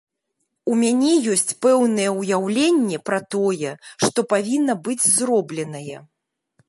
У мяне ёсць пэўнае ўяўленне пра тое, што павінна быць зробленае.